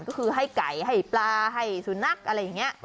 ก็คือให้ไก่ให้ปลาให้สุนัขอะไรอย่างนี้